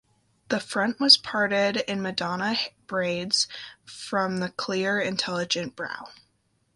The front was parted in Madonna braids from the clear, intelligent brow.